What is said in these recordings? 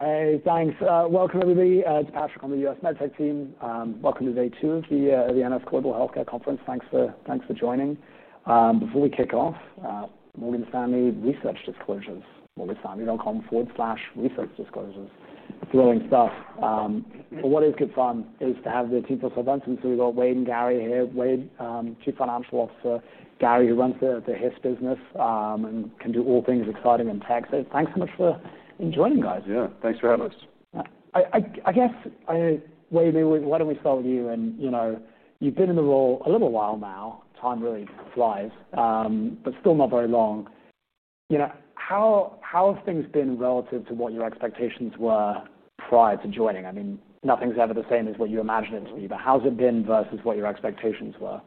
Hey, thanks. Welcome, everybody. It's Patrick on the U.S. MedTech team. Welcome to day two of the Morgan Stanley Global Healthcare Conference. Thanks for joining. Before we kick off, Morgan Stanley research disclosures. Morgan Stanley, they'll call them forward slash research disclosures. Thrilling stuff. What is good fun is to have the team from Solventum. We've got Wayde and Gary here. Wayde, Chief Financial Officer. Gary, who runs the HIS business and can do all things exciting in tech. Thanks so much for joining, guys. Yeah, thanks for having us. I guess, Wayde, maybe why don't we start with you? You've been in the role a little while now. Time really flies, but still not very long. How have things been relative to what your expectations were prior to joining? Nothing's ever the same as what you imagined, but how's it been versus what your expectations were?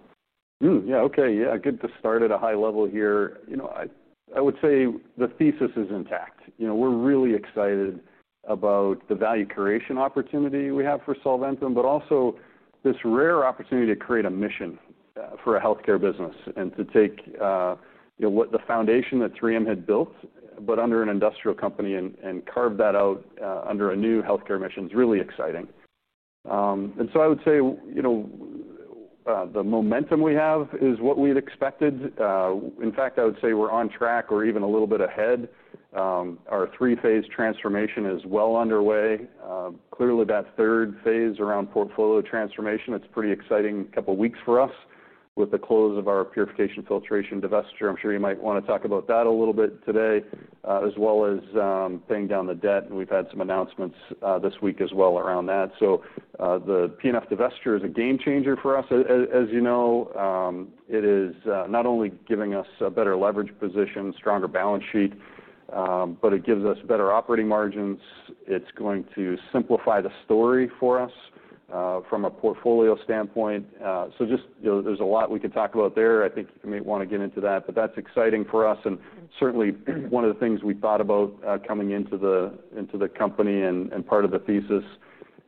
Yeah, OK. Yeah, good to start at a high level here. I would say the thesis is intact. We're really excited about the value creation opportunity we have for Solventum, but also this rare opportunity to create a mission for a healthcare business and to take the foundation that 3M had built, but under an industrial company and carve that out under a new healthcare mission is really exciting. I would say the momentum we have is what we'd expected. In fact, I would say we're on track or even a little bit ahead. Our three-phase transformation is well underway. Clearly, that third phase around portfolio transformation, it's pretty exciting. A couple of weeks for us with the close of our purification and filtration divestiture. I'm sure you might want to talk about that a little bit today, as well as paying down the debt. We've had some announcements this week as well around that. The P&F divestiture is a game changer for us. As you know, it is not only giving us a better leverage position, stronger balance sheet, but it gives us better operating margins. It's going to simplify the story for us from a portfolio standpoint. There's a lot we could talk about there. I think you may want to get into that, but that's exciting for us. Certainly, one of the things we thought about coming into the company and part of the thesis.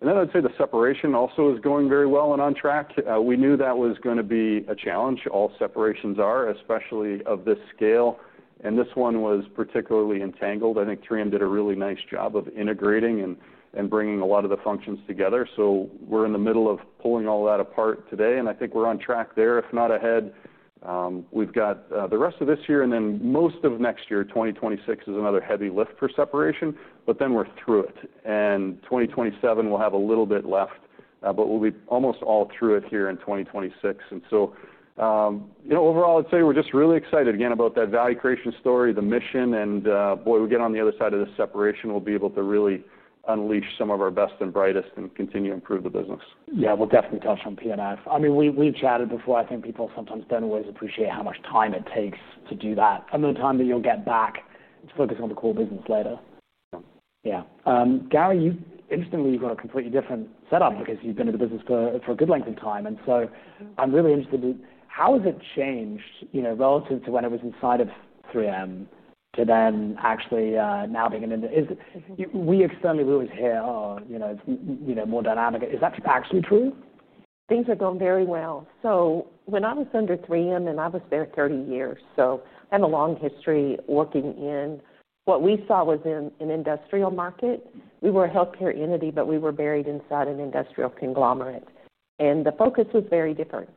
I'd say the separation also is going very well and on track. We knew that was going to be a challenge. All separations are, especially of this scale. This one was particularly entangled. I think 3M did a really nice job of integrating and bringing a lot of the functions together. We're in the middle of pulling all that apart today. I think we're on track there, if not ahead. We've got the rest of this year and then most of next year, 2026, is another heavy lift for separation. Then we're through it. In 2027, we'll have a little bit left. We'll be almost all through it here in 2026. Overall, I'd say we're just really excited again about that value creation story, the mission. Boy, we get on the other side of the separation, we'll be able to really unleash some of our best and brightest and continue to improve the business. Yeah, we'll definitely touch on P&F. I mean, we've chatted before. I think people sometimes don't always appreciate how much time it takes to do that, and the time that you'll get back to focus on the core business later. Yeah. Gary, interestingly, you've got a completely different setup because you've been in the business for a good length of time, and so I'm really interested, how has it changed relative to when it was inside of 3M to then actually now being in? We externally, we always hear, oh, you know, more dynamic. Is that actually true? Things have gone very well. When I was under 3M, and I was there 30 years, I have a long history working in what we saw was an industrial market. We were a healthcare entity, but we were buried inside an industrial conglomerate. The focus was very different.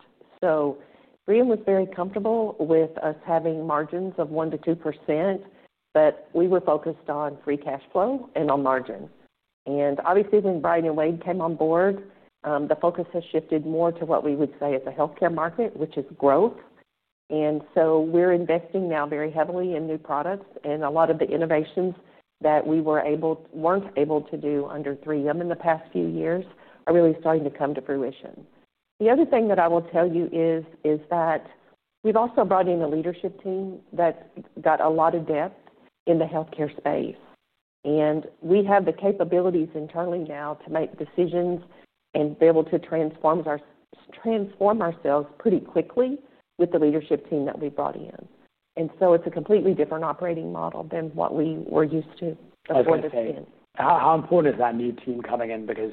3M was very comfortable with us having margins of 1% to 2%. We were focused on free cash flow and on margin. Obviously, when Bryan and Wayde came on board, the focus has shifted more to what we would say is a healthcare market, which is growth. We are investing now very heavily in new products. A lot of the innovations that we weren't able to do under 3M in the past few years are really starting to come to fruition. The other thing that I will tell you is that we've also brought in a leadership team that got a lot of depth in the healthcare space. We have the capabilities internally now to make decisions and be able to transform ourselves pretty quickly with the leadership team that we brought in. It's a completely different operating model than what we were used to before the team. How important is that new team coming in? Because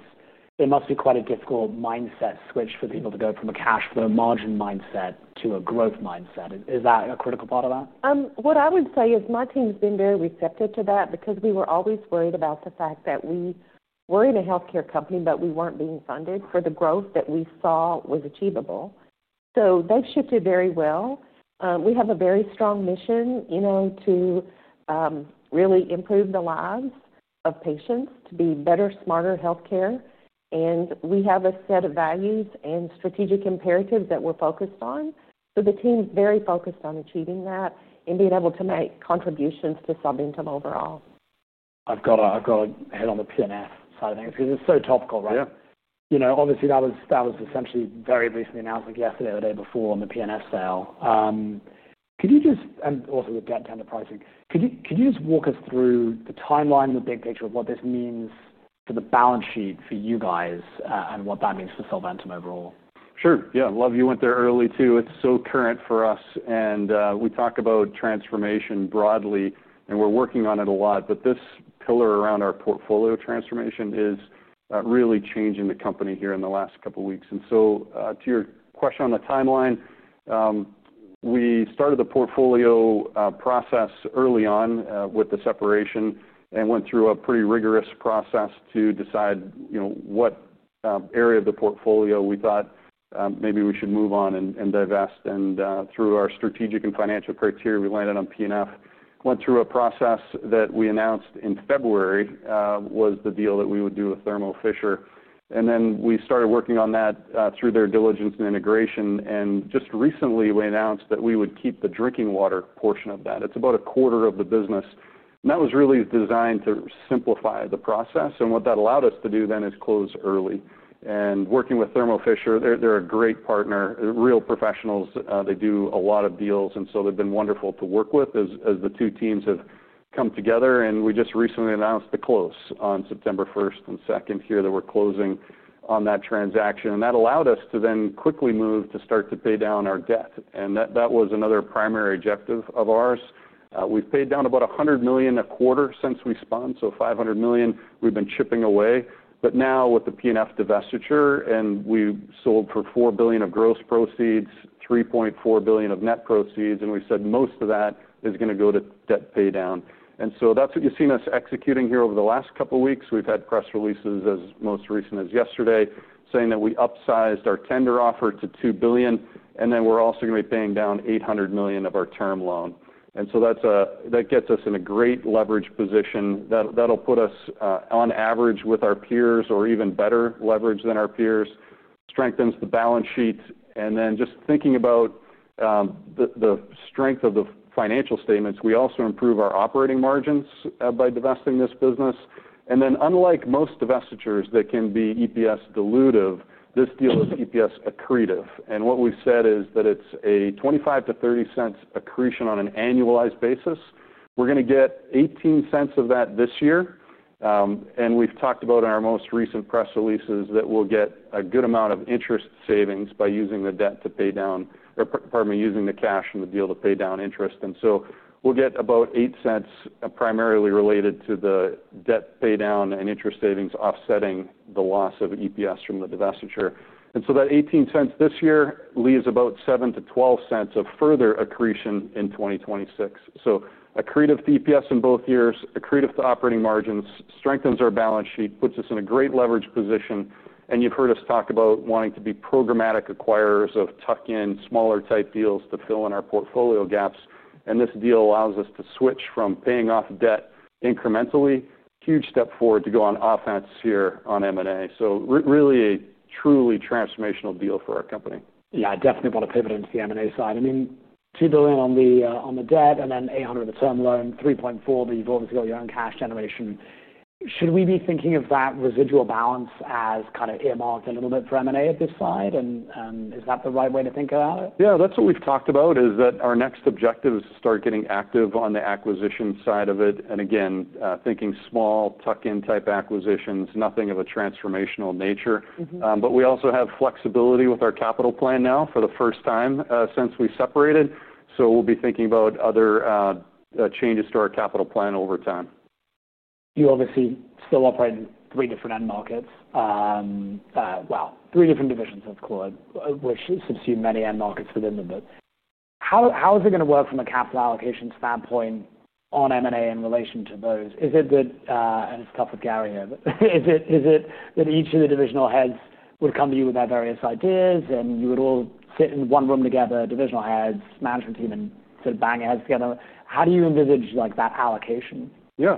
it must be quite a difficult mindset switch for people to go from a cash flow margin mindset to a growth mindset. Is that a critical part of that? What I would say is my team has been very receptive to that because we were always worried about the fact that we were in a healthcare company, but we weren't being funded for the growth that we saw was achievable. They've shifted very well. We have a very strong mission, you know, to really improve the lives of patients, to be better, smarter healthcare. We have a set of values and strategic imperatives that we're focused on. The team is very focused on achieving that and being able to make contributions to Solventum overall. I've got to head on the P&F side of things because it's so topical, right? Yeah. Obviously, that was essentially very recently announced, like yesterday or the day before on the P&F sale. Could you just, and also with down to pricing, could you just walk us through the timeline, the big picture of what this means for the balance sheet for you guys and what that means for Solventum overall? Sure. Yeah, I love you went there early too. It's so current for us. We talk about transformation broadly, and we're working on it a lot. This pillar around our portfolio transformation is really changing the company here in the last couple of weeks. To your question on the timeline, we started the portfolio process early on with the separation and went through a pretty rigorous process to decide what area of the portfolio we thought maybe we should move on and divest. Through our strategic and financial criteria, we landed on P&F. We went through a process that we announced in February was the deal that we would do with Thermo Fisher. We started working on that through their diligence and integration. Just recently, we announced that we would keep the drinking water portion of that. It's about a quarter of the business, and that was really designed to simplify the process. What that allowed us to do then is close early. Working with Thermo Fisher, they're a great partner, real professionals. They do a lot of deals, and they've been wonderful to work with as the two teams have come together. We just recently announced the close on September 1 and 2 here that we're closing on that transaction. That allowed us to then quickly move to start to pay down our debt. That was another primary objective of ours. We've paid down about $100 million a quarter since we spun, so $500 million we've been chipping away. Now with the P&F divestiture, and we sold for $4 billion of gross proceeds, $3.4 billion of net proceeds, we said most of that is going to go to debt pay down. That's what you've seen us executing here over the last couple of weeks. We've had press releases as most recent as yesterday, saying that we upsized our tender offer to $2 billion. We're also going to be paying down $800 million of our term loan. That gets us in a great leverage position. That'll put us on average with our peers or even better leverage than our peers, strengthens the balance sheet. Just thinking about the strength of the financial statements, we also improve our operating margins by divesting this business. Unlike most divestitures that can be EPS dilutive, this deal is EPS accretive. What we said is that it's a $0.25 to $0.30 accretion on an annualized basis. We're going to get $0.18 of that this year. We’ve talked about in our most recent press releases that we’ll get a good amount of interest savings by using the cash in the deal to pay down interest. We’ll get about $0.08 primarily related to the debt pay down and interest savings offsetting the loss of EPS from the divestiture. That $0.18 this year leaves about $0.07 to $0.12 of further accretion in 2026. Accretive to EPS in both years, accretive to operating margins, strengthens our balance sheet, puts us in a great leverage position. You’ve heard us talk about wanting to be programmatic acquirers of tuck-in smaller type deals to fill in our portfolio gaps. This deal allows us to switch from paying off debt incrementally, huge step forward to go on offense here on M&A. Really a truly transformational deal for our company. Yeah, I definitely want to pivot into the M&A side. I mean, $2 billion on the debt and then $800 million of the term loan, $3.4 billion that you've already got your own cash generation. Should we be thinking of that residual balance as kind of earmarked a little bit for M&A at this side? Is that the right way to think about it? Yeah, that's what we've talked about is that our next objective is to start getting active on the acquisition side of it. Again, thinking small tuck-in type acquisitions, nothing of a transformational nature. We also have flexibility with our capital plan now for the first time since we separated, so we'll be thinking about other changes to our capital plan over time. You obviously still operate in three different end markets. Three different divisions, of course, which subsume many end markets within them. How is it going to work from a capital allocation standpoint on M&A in relation to those? Is it that, and it's tough with Gary here, but is it that each of the divisional heads would come to you with their various ideas and you would all sit in one room together, divisional heads, management team, and sort of bang your heads together? How do you envisage that allocation? Yeah,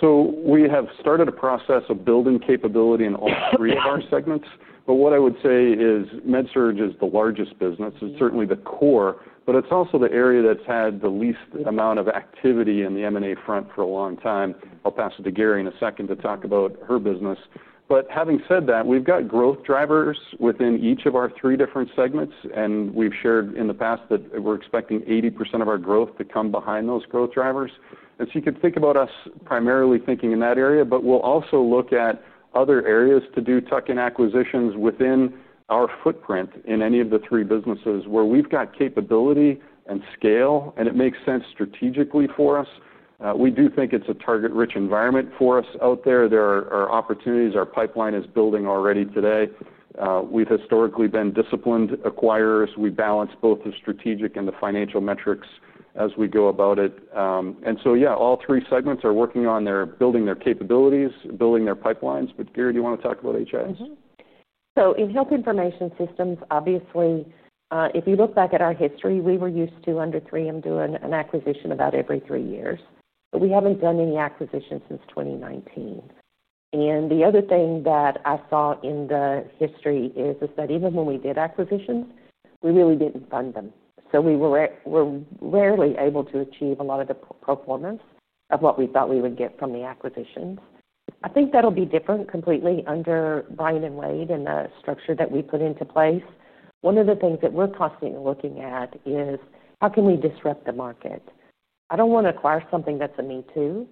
so we have started a process of building capability in all three of our segments. What I would say is MedSurge is the largest business. It's certainly the core. It's also the area that's had the least amount of activity in the M&A front for a long time. I'll pass it to Gary in a second to talk about her business. Having said that, we've got growth drivers within each of our three different segments. We've shared in the past that we're expecting 80% of our growth to come behind those growth drivers. You could think about us primarily thinking in that area. We'll also look at other areas to do tuck-in acquisitions within our footprint in any of the three businesses where we've got capability and scale, and it makes sense strategically for us. We do think it's a target-rich environment for us out there. There are opportunities. Our pipeline is building already today. We've historically been disciplined acquirers. We balance both the strategic and the financial metrics as we go about it. All three segments are working on building their capabilities, building their pipelines. Gary, do you want to talk about HIS? In health information systems, obviously, if you look back at our history, we were used to under 3M doing an acquisition about every three years. We haven't done any acquisitions since 2019. The other thing that I saw in the history is that even when we did acquisitions, we really didn't fund them. We were rarely able to achieve a lot of the performance of what we thought we would get from the acquisitions. I think that'll be different completely under Bryan and Wayde and the structure that we put into place. One of the things that we're constantly looking at is how can we disrupt the market? I don't want to acquire something that's a me-too.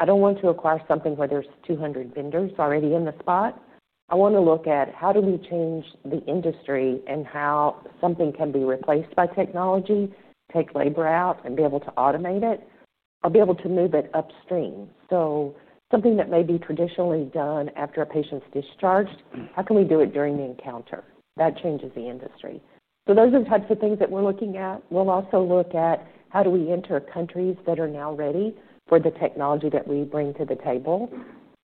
I don't want to acquire something where there's 200 vendors already in the spot. I want to look at how do we change the industry and how something can be replaced by technology, take labor out, and be able to automate it, or be able to move it upstream. Something that may be traditionally done after a patient's discharged, how can we do it during the encounter? That changes the industry. Those are the types of things that we're looking at. We'll also look at how do we enter countries that are now ready for the technology that we bring to the table.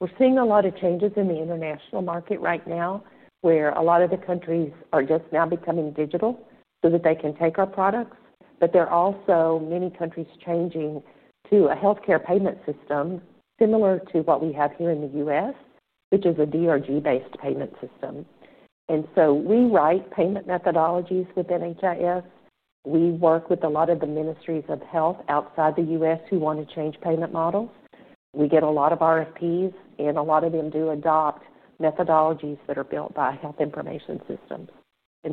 We're seeing a lot of changes in the international market right now where a lot of the countries are just now becoming digital so that they can take our products. There are also many countries changing to a healthcare payment system similar to what we have here in the U.S., which is a DRG-based payment system. We write payment methodologies within HIS. We work with a lot of the ministries of health outside the U.S. who want to change payment models. We get a lot of RFPs, and a lot of them do adopt methodologies that are built by health information systems.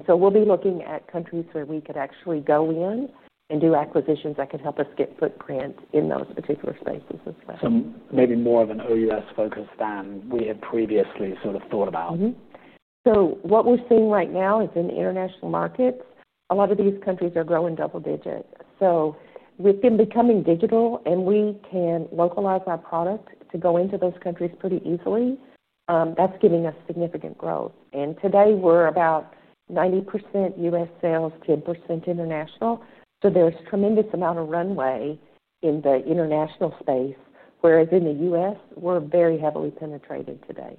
We'll be looking at countries where we could actually go in and do acquisitions that could help us get footprint in those particular spaces as well. Maybe more of an OUS focus than we had previously sort of thought about. What we're seeing right now is in the international markets, a lot of these countries are growing double digits. With them becoming digital and we can localize our product to go into those countries pretty easily, that's giving us significant growth. Today, we're about 90% U.S. sales, 10% international. There's a tremendous amount of runway in the international space, whereas in the U.S., we're very heavily penetrated today.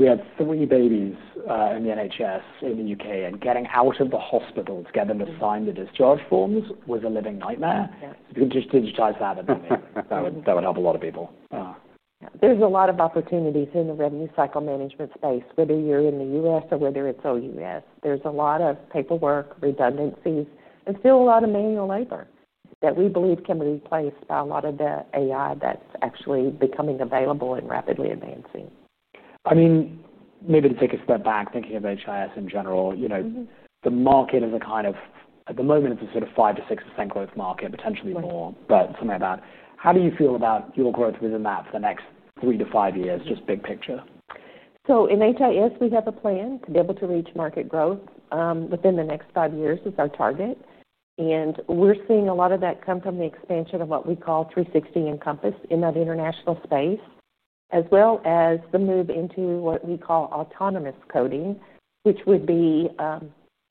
Yeah, the wee babies in the NHS in the UK and getting out of the hospitals, getting them to sign the discharge forms was a living nightmare. If you could just digitize that, I think that would help a lot of people. There's a lot of opportunities in the revenue cycle management space, whether you're in the U.S. or whether it's OUS. There's a lot of paperwork, redundancies, and still a lot of manual labor that we believe can be replaced by a lot of the AI that's actually becoming available and rapidly advancing. Maybe to take a step back, thinking of HIS in general, the market is a kind of, at the moment, it's a sort of 5% to 6% growth market, potentially more, but something like that. How do you feel about your growth within that for the next three to five years, just big picture? In HIS, we have a plan to be able to reach market growth within the next five years. It's our target. We're seeing a lot of that come from the expansion of what we call 360 Encompass in that international space, as well as the move into what we call autonomous coding, which would be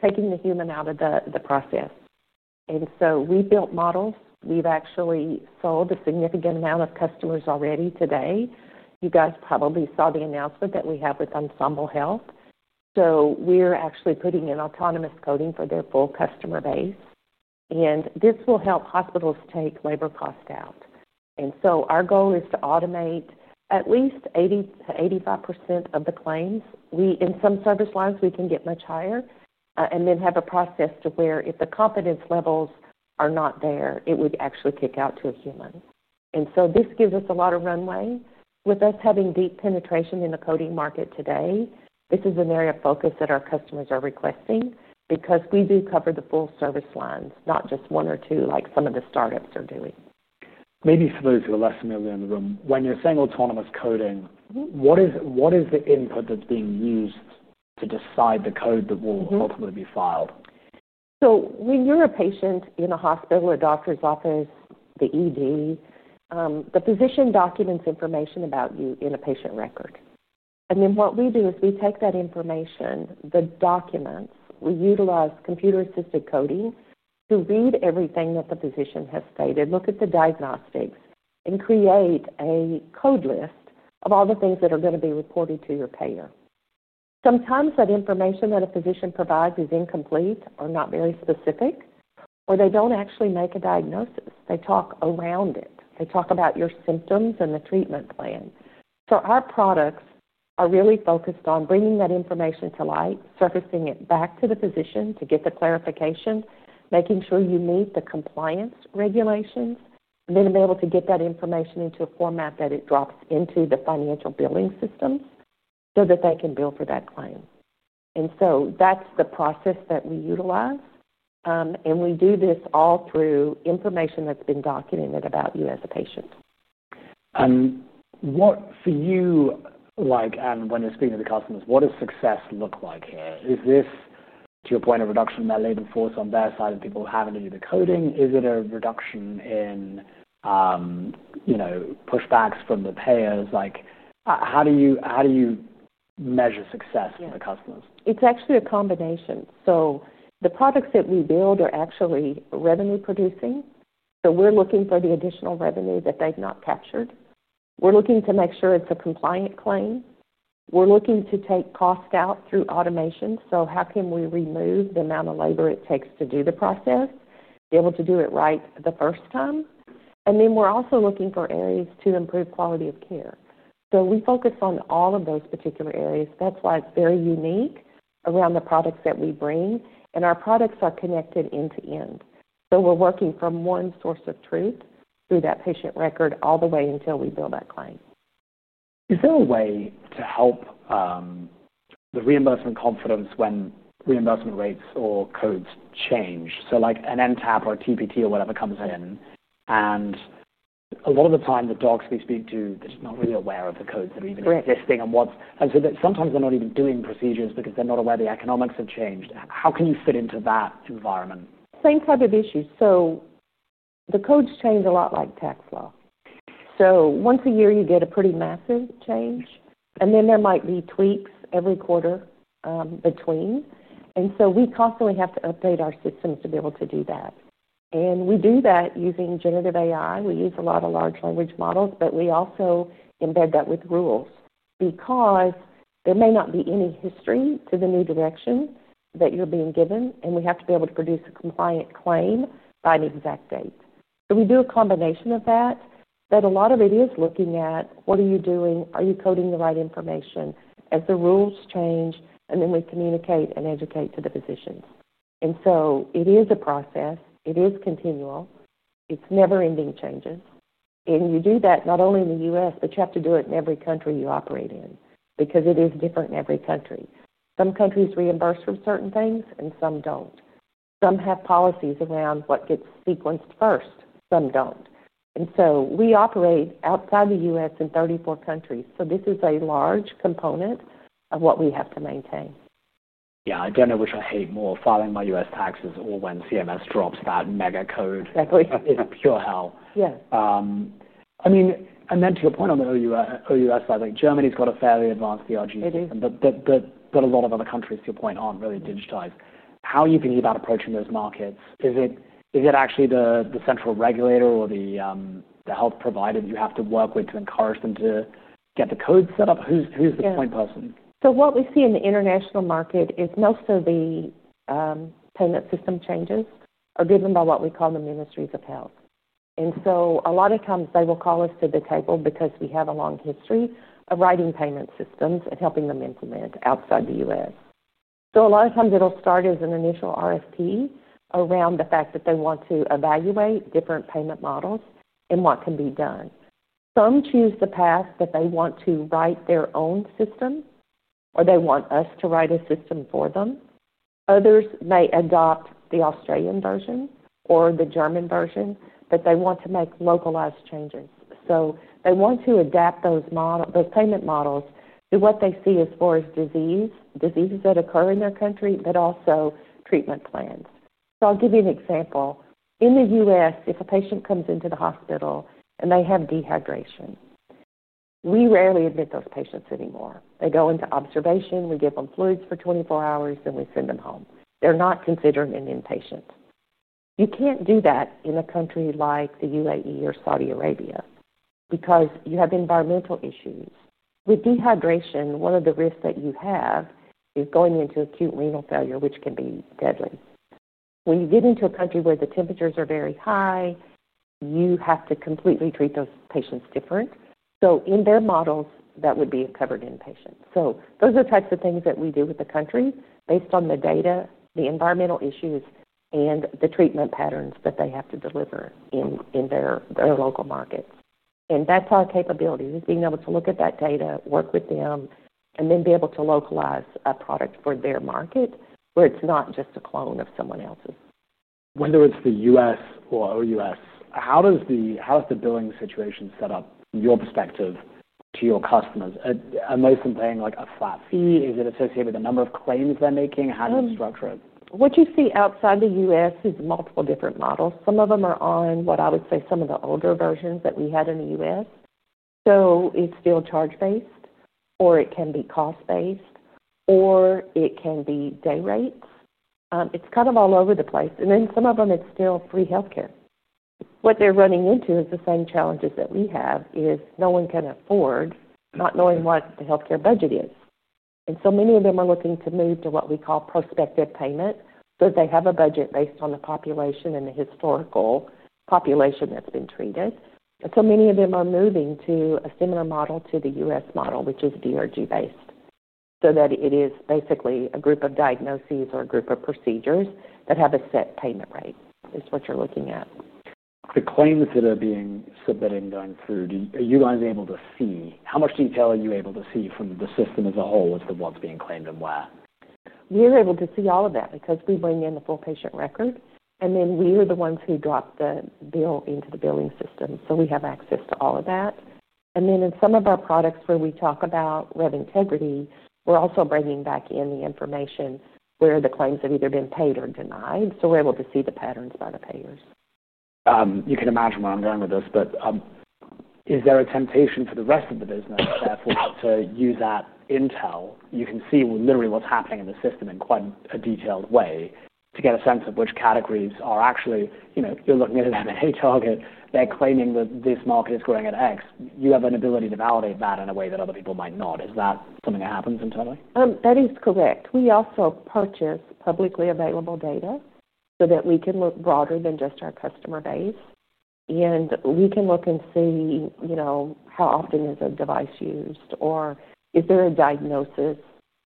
taking the human out of the process. We've built models. We've actually sold a significant amount of customers already today. You guys probably saw the announcement that we have with Ensemble Health. We're actually putting in autonomous coding for their full customer base. This will help hospitals take labor costs out. Our goal is to automate at least 80% to 85% of the claims. In some service lines, we can get much higher and then have a process to where if the confidence levels are not there, it would actually kick out to a human. This gives us a lot of runway. With us having deep penetration in the coding market today, this is an area of focus that our customers are requesting because we do cover the full service lines, not just one or two like some of the startups are doing. Maybe for those who are less familiar in the room, when you're saying autonomous coding, what is the input that's being used to decide the code that will ultimately be filed? When you're a patient in a hospital or doctor's office, the ED, the physician documents information about you in a patient record. What we do is we take that information, the document, we utilize computer-assisted coding to read everything that the physician has stated, look at the diagnostics, and create a code list of all the things that are going to be reported to your payer. Sometimes that information that a physician provides is incomplete or not very specific, or they don't actually make a diagnosis. They talk around it. They talk about your symptoms and the treatment plan. Our products are really focused on bringing that information to light, surfacing it back to the physician to get the clarification, making sure you meet the compliance regulations, and then to be able to get that information into a format that it drops into the financial billing systems so that they can bill for that claim. That's the process that we utilize. We do this all through information that's been documented about you as a patient. What, for you, when you're speaking to the customers, what does success look like here? Is this, to your point, a reduction in their labor force on their side and people having to do the coding? Is it a reduction in pushbacks from the payers? How do you measure success for the customers? It's actually a combination. The products that we build are actually revenue-producing. We're looking for the additional revenue that they've not captured. We're looking to make sure it's a compliant claim. We're looking to take costs out through automation. How can we remove the amount of labor it takes to do the process, be able to do it right the first time? We're also looking for areas to improve quality of care. We focus on all of those particular areas. That's why it's very unique around the products that we bring. Our products are connected end to end. We're working from one source of truth through that patient record all the way until we build that claim. Is there a way to help the reimbursement confidence when reimbursement rates or codes change? Like an NTAP or a TPT or whatever comes in. A lot of the time, the docs we speak to are just not really aware of the codes that are even existing, and sometimes they're not even doing procedures because they're not aware the economics have changed. How can you fit into that environment? Same type of issue. The codes change a lot like tax law. Once a year, you get a pretty massive change, and there might be tweaks every quarter between. We constantly have to update our systems to be able to do that, and we do that using generative AI. We use a lot of large language models, but we also embed that with rules because there may not be any history to the new direction that you're being given. We have to be able to produce a compliant claim by an exact date. We do a combination of that. A lot of it is looking at what are you doing, are you coding the right information as the rules change, and then we communicate and educate to the physicians. It is a process. It is continual. It's never-ending changes. You do that not only in the U.S., but you have to do it in every country you operate in because it is different in every country. Some countries reimburse for certain things, and some don't. Some have policies around what gets sequenced first, some don't. We operate outside the U.S. in 34 countries. This is a large component of what we have to maintain. Yeah, I don't know which I hate more, filing my U.S. taxes or when CMS drops that mega code. Exactly. It's pure hell. Yeah. I mean, to your point on the OUS side, Germany's got a fairly advanced DRG. It is. A lot of other countries, to your point, aren't really digitized. How are you thinking about approaching those markets? Is it actually the central regulator or the health provider that you have to work with to encourage them to get the code set up? Who's the point person? What we see in the international market is most of the payment system changes are driven by what we call the ministries of health. A lot of times, they will call us to the table because we have a long history of writing payment systems and helping them implement outside the U.S. A lot of times, it'll start as an initial RFP around the fact that they want to evaluate different payment models and what can be done. Some choose the path that they want to write their own system, or they want us to write a system for them. Others may adopt the Australian version or the German version, but they want to make localized changes. They want to adapt those payment models to what they see as far as diseases that occur in their country, but also treatment plans. I'll give you an example. In the U.S., if a patient comes into the hospital and they have dehydration, we rarely admit those patients anymore. They go into observation. We give them fluids for 24 hours, and we send them home. They're not considered an inpatient. You can't do that in a country like the UAE or Saudi Arabia because you have environmental issues. With dehydration, one of the risks that you have is going into acute renal failure, which can be deadly. When you get into a country where the temperatures are very high, you have to completely treat those patients differently. In their models, that would be a covered inpatient. Those are the types of things that we do with the countries based on the data, the environmental issues, and the treatment patterns that they have to deliver in their local markets. That's our capability, being able to look at that data, work with them, and then be able to localize a product for their market where it's not just a clone of someone else's. Whether it's the U.S. or OUS, how is the billing situation set up, your perspective, to your customers? Are they paying like a flat fee? Is it associated with the number of claims they're making? How do you structure it? What you see outside the U.S. is multiple different models. Some of them are on what I would say some of the older versions that we had in the U.S. It's still charge-based, or it can be cost-based, or it can be day rates. It's kind of all over the place. Some of them, it's still free healthcare. What they're running into is the same challenges that we have, no one can afford not knowing what the healthcare budget is. Many of them are looking to move to what we call prospective payment. They have a budget based on the population and the historical population that's been treated. Many of them are moving to a similar model to the U.S. model, which is DRG-based, so that it is basically a group of diagnoses or a group of procedures that have a set payment rate is what you're looking at. The claims that are being submitted and going through, are you guys able to see how much detail are you able to see from the system as a whole as to what's being claimed and where? We are able to see all of that because we bring in the full patient record. We are the ones who drop the bill into the billing system, so we have access to all of that. In some of our products where we talk about web integrity, we're also bringing back in the information where the claims have either been paid or denied. We're able to see the patterns by the payers. You can imagine where I'm going with this, but is there a temptation for the rest of the business there to use that intel? You can see literally what's happening in the system in quite a detailed way to get a sense of which categories are actually, you know, you're looking at an M&A target. They're claiming that this market is growing at X. You have an ability to validate that in a way that other people might not. Is that something that happens internally? That is correct. We also purchase publicly available data so that we can look broader than just our customer base. We can look and see, you know, how often is a device used or is there a diagnosis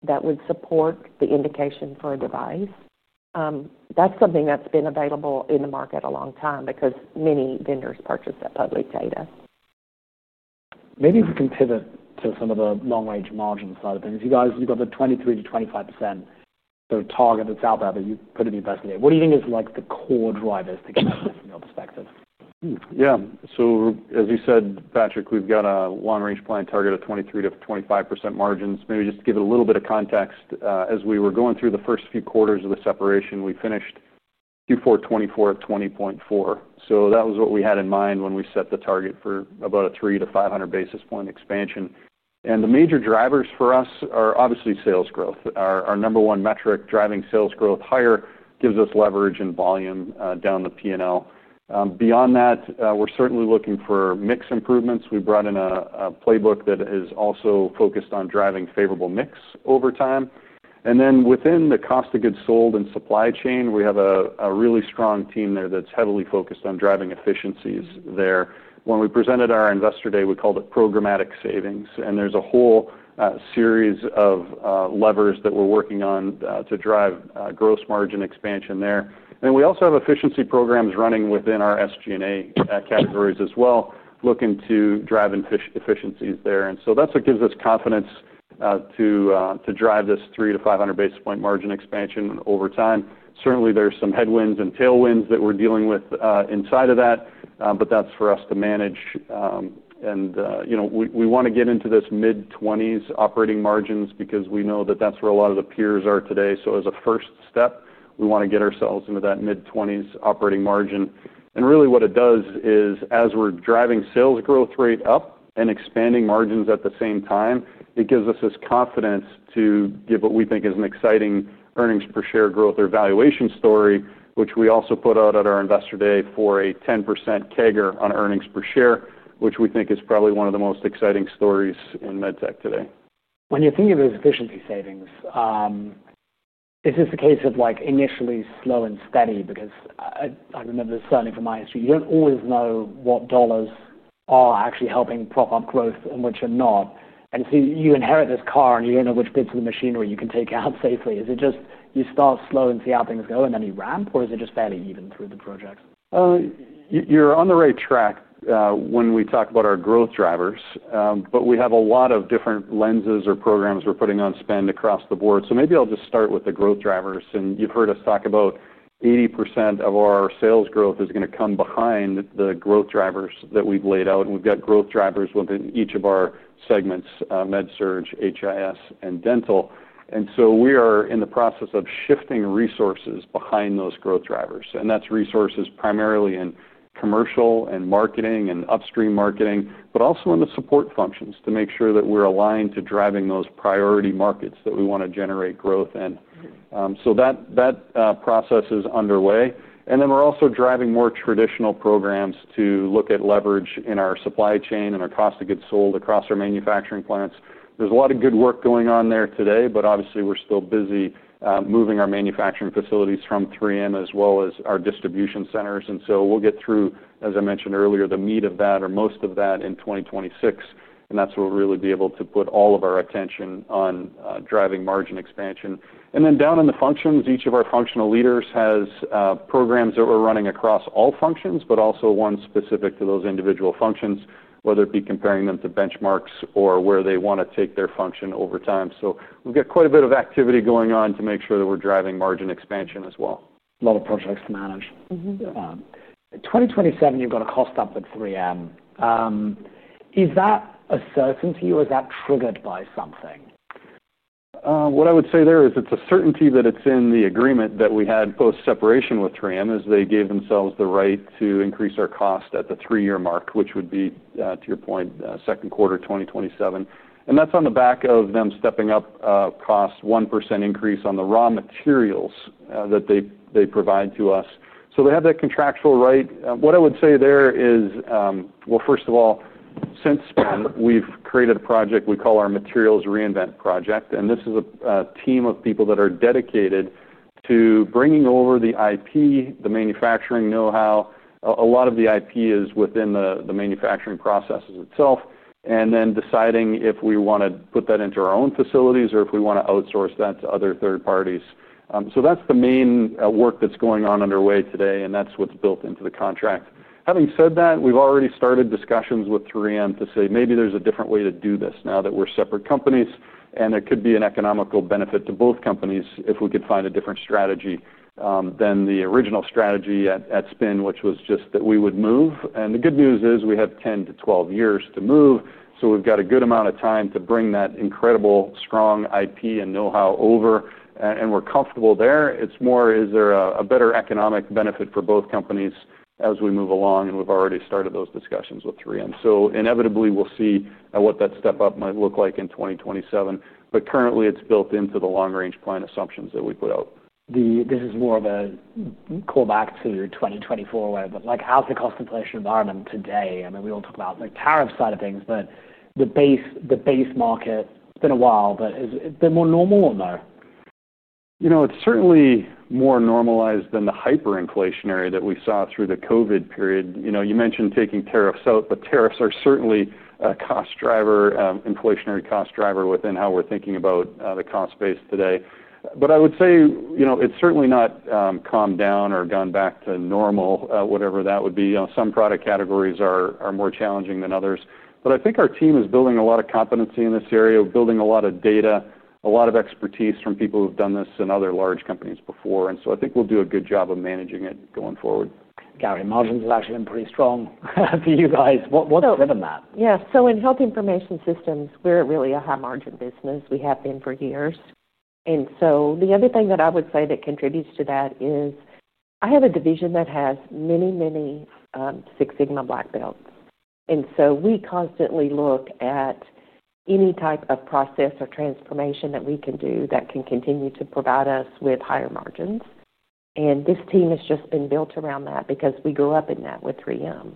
that would support the indication for a device. That's something that's been available in the market a long time because many vendors purchase that public data. Maybe if we can pivot to some of the long-range margin side of things. You guys, you've got the 23% to 25% sort of target that's out there, but you put a new person there. What do you think is like the core drivers thinking about it from your perspective? Yeah. As you said, Patrick, we've got a long-range plan target of 23% to 25% margins. Maybe just to give it a little bit of context, as we were going through the first few quarters of the separation, we finished Q4 2024 at 20.4%. That was what we had in mind when we set the target for about a 3% to 5% basis point expansion. The major drivers for us are obviously sales growth. Our number one metric driving sales growth higher gives us leverage and volume down the P&L. Beyond that, we're certainly looking for mix improvements. We brought in a playbook that is also focused on driving favorable mix over time. Within the cost of goods sold and supply chain, we have a really strong team there that's heavily focused on driving efficiencies there. When we presented our investor day, we called it programmatic savings. There's a whole series of levers that we're working on to drive gross margin expansion there. We also have efficiency programs running within our SG&A categories as well, looking to drive efficiencies there. That's what gives us confidence to drive this 3% to 5% basis point margin expansion over time. Certainly, there's some headwinds and tailwinds that we're dealing with inside of that. That's for us to manage. We want to get into this mid-20s operating margins because we know that that's where a lot of the peers are today. As a first step, we want to get ourselves into that mid-20s operating margin. What it does is as we're driving sales growth rate up and expanding margins at the same time, it gives us this confidence to give what we think is an exciting earnings per share growth or valuation story, which we also put out at our investor day for a 10% CAGR on earnings per share, which we think is probably one of the most exciting stories in med tech today. When you're thinking of those efficiency savings, is this a case of initially slow and steady? I remember this certainly from my history, you don't always know what dollars are actually helping prop up growth and which are not. You inherit this car and you don't know which bits of the machinery you can take out safely. Is it just you start slow and see how things go and then you ramp, or is it just barely even through the projects? You're on the right track when we talk about our growth drivers. We have a lot of different lenses or programs we're putting on spend across the board. Maybe I'll just start with the growth drivers. You've heard us talk about 80% of our sales growth is going to come behind the growth drivers that we've laid out. We've got growth drivers within each of our segments, MedSurge, HIS, and dental. We are in the process of shifting resources behind those growth drivers. That's resources primarily in commercial and marketing and upstream marketing, but also in the support functions to make sure that we're aligned to driving those priority markets that we want to generate growth in. That process is underway. We're also driving more traditional programs to look at leverage in our supply chain and our cost of goods sold across our manufacturing plants. There's a lot of good work going on there today, but obviously, we're still busy moving our manufacturing facilities from 3M as well as our distribution centers. We'll get through, as I mentioned earlier, the meat of that or most of that in 2026. That's where we'll really be able to put all of our attention on driving margin expansion. Down in the functions, each of our functional leaders has programs that we're running across all functions, but also ones specific to those individual functions, whether it be comparing them to benchmarks or where they want to take their function over time. We've got quite a bit of activity going on to make sure that we're driving margin expansion as well. A lot of projects to manage. 2027, you've got a cost up at 3M. Is that a certainty or is that triggered by something? What I would say there is it's a certainty that it's in the agreement that we had post-separation with 3M, is they gave themselves the right to increase our cost at the three-year mark, which would be, to your point, second quarter 2027. That's on the back of them stepping up costs, a 1% increase on the raw materials that they provide to us. They have that contractual right. What I would say there is, first of all, since then, we've created a project we call our Materials Reinvent Project. This is a team of people that are dedicated to bringing over the IP, the manufacturing know-how. A lot of the IP is within the manufacturing processes itself, and then deciding if we want to put that into our own facilities or if we want to outsource that to other third parties. That's the main work that's going on underway today, and that's what's built into the contract. Having said that, we've already started discussions with 3M to say maybe there's a different way to do this now that we're separate companies, and there could be an economical benefit to both companies if we could find a different strategy than the original strategy at spin, which was just that we would move. The good news is we have 10 to 12 years to move. We've got a good amount of time to bring that incredible, strong IP and know-how over, and we're comfortable there. It's more, is there a better economic benefit for both companies as we move along? We've already started those discussions with 3M. Inevitably, we'll see what that step up might look like in 2027. Currently, it's built into the long-range plan assumptions that we put out. This is more of a pullback to your 2024 way, but how's the cost inflation environment today? I mean, we all talk about the tariff side of things, but the base market, it's been a while, but has it been more normal or no? You know, it's certainly more normalized than the hyperinflationary that we saw through the COVID period. You mentioned taking tariffs out, but tariffs are certainly a cost driver, inflationary cost driver within how we're thinking about the cost space today. I would say it's certainly not calmed down or gone back to normal, whatever that would be. Some product categories are more challenging than others. I think our team is building a lot of competency in this area, building a lot of data, a lot of expertise from people who've done this in other large companies before. I think we'll do a good job of managing it going forward. Gary, margins have actually been pretty strong for you guys. What's driven that? Yeah, so in Health Information Systems, we're really a high-margin business. We have been for years. The other thing that I would say that contributes to that is I have a division that has many, many Six Sigma black belts. We constantly look at any type of process or transformation that we can do that can continue to provide us with higher margins. This team has just been built around that because we grew up in that with 3M.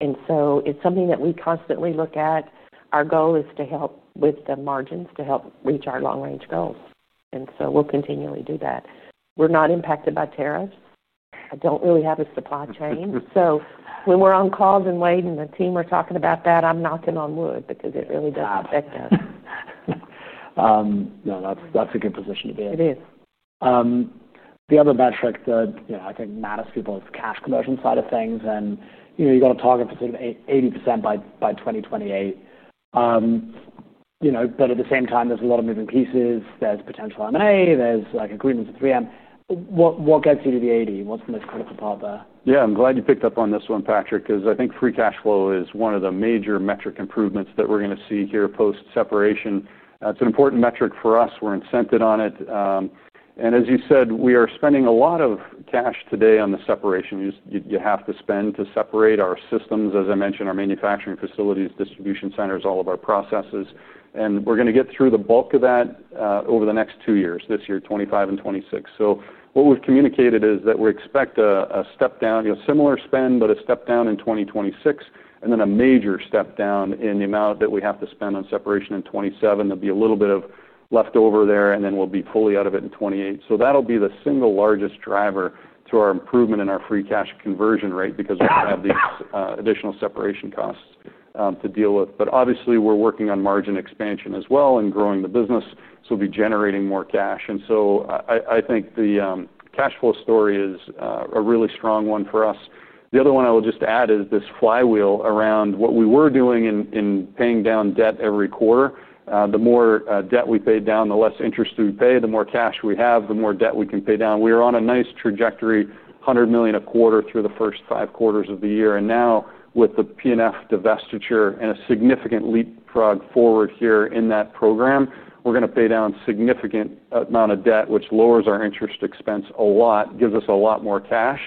It's something that we constantly look at. Our goal is to help with the margins to help reach our long-range goals. We'll continually do that. We're not impacted by tariffs. I don't really have a supply chain. When we're on calls and Wayde and the team are talking about that, I'm knocking on wood because it really does affect us. No, that's a good position to be in. It is. The other metric that I think matters to people is the cash conversion side of things. You've got a target to take 80% by 2028. At the same time, there's a lot of moving pieces. There's potential M&A. There's agreements with 3M. What gets you to the 80%? What's the most critical part there? Yeah, I'm glad you picked up on this one, Patrick, because I think free cash flow is one of the major metric improvements that we're going to see here post-separation. It's an important metric for us. We're incented on it. As you said, we are spending a lot of cash today on the separation. You have to spend to separate our systems, as I mentioned, our manufacturing facilities, distribution centers, all of our processes. We're going to get through the bulk of that over the next two years, this year, 2025 and 2026. What we've communicated is that we expect a step down, a similar spend, but a step down in 2026, and then a major step down in the amount that we have to spend on separation in 2027. There'll be a little bit of leftover there, and then we'll be fully out of it in 2028. That'll be the single largest driver to our improvement in our free cash conversion rate because we have these additional separation costs to deal with. Obviously, we're working on margin expansion as well and growing the business. We'll be generating more cash, and I think the cash flow story is a really strong one for us. The other one I will just add is this flywheel around what we were doing in paying down debt every quarter. The more debt we paid down, the less interest we pay. The more cash we have, the more debt we can pay down. We are on a nice trajectory, $100 million a quarter through the first five quarters of the year. Now, with the P&F divestiture and a significant leapfrog forward here in that program, we're going to pay down a significant amount of debt, which lowers our interest expense a lot, gives us a lot more cash.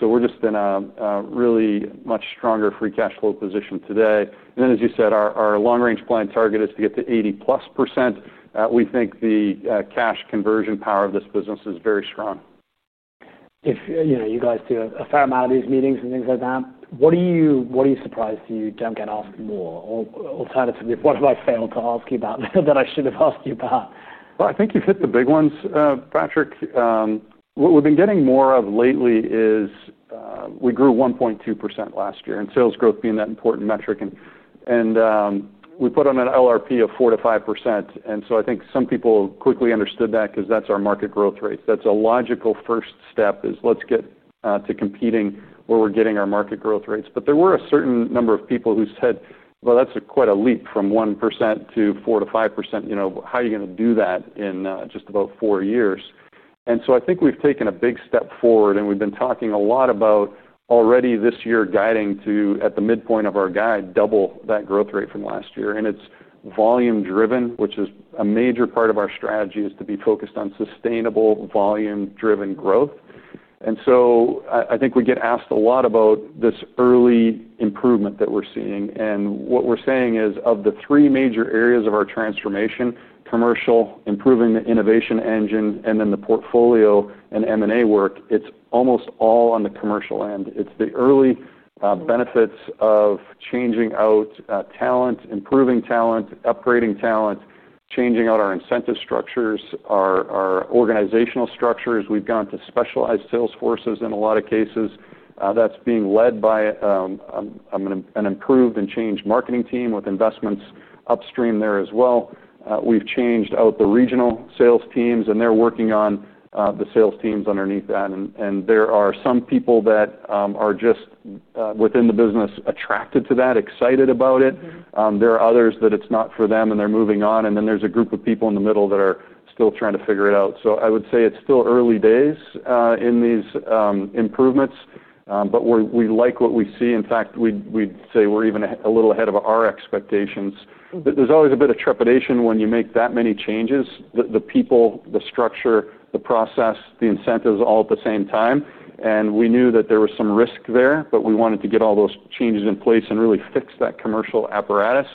We're just in a really much stronger free cash flow position today. As you said, our long-range plan target is to get to 80%+%. We think the cash conversion power of this business is very strong. You know, you guys do a fair amount of these meetings and things like that. What are you surprised you don't get asked more? Alternatively, what have I failed to ask you about that I should have asked you about? I think you've hit the big ones, Patrick. What we've been getting more of lately is we grew 1.2% last year in sales growth, being that important metric. We put on an LRP of 4% to 5%. I think some people quickly understood that because that's our market growth rate. That's a logical first step: let's get to competing where we're getting our market growth rates. There were a certain number of people who said, that's quite a leap from 1% to 4% to 5%. You know, how are you going to do that in just about four years? I think we've taken a big step forward. We've been talking a lot about already this year guiding to, at the midpoint of our guide, double that growth rate from last year. It's volume-driven, which is a major part of our strategy, to be focused on sustainable volume-driven growth. I think we get asked a lot about this early improvement that we're seeing. What we're saying is of the three major areas of our transformation—commercial, improving the innovation engine, and then the portfolio and M&A work—it's almost all on the commercial end. It's the early benefits of changing out talent, improving talent, upgrading talent, changing out our incentive structures, our organizational structures. We've gone to specialized sales forces in a lot of cases. That's being led by an improved and changed marketing team with investments upstream there as well. We've changed out the regional sales teams, and they're working on the sales teams underneath that. There are some people that are just within the business attracted to that, excited about it. There are others that it's not for them, and they're moving on. There's a group of people in the middle that are still trying to figure it out. I would say it's still early days in these improvements. We like what we see. In fact, we'd say we're even a little ahead of our expectations. There's always a bit of trepidation when you make that many changes—the people, the structure, the process, the incentives all at the same time. We knew that there was some risk there, but we wanted to get all those changes in place and really fix that commercial apparatus.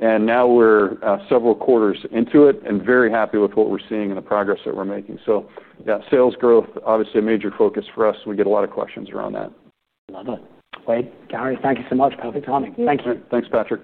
Now we're several quarters into it and very happy with what we're seeing and the progress that we're making. Sales growth is obviously a major focus for us. We get a lot of questions around that. Love it. Wayde, Gary, thank you so much. Perfect timing. Thank you. Thanks, Patrick.